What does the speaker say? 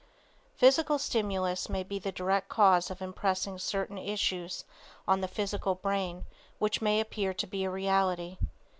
Physical Stimulus may be the direct cause of impressing certain ideas on the physical brain which may appear to be a reality.